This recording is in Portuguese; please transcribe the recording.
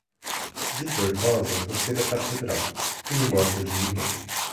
De Tortosa gostei da catedral, que não gosta de ninguém!